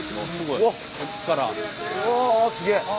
うわすげえ。